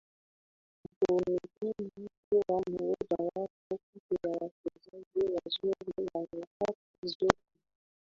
Na kuonekana kuwa mmojawapo kati ya wachezaji wazuri wa nyakati zote